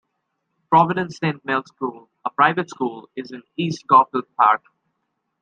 Providence Saint Mel School, a private school, is in East Garfield Park.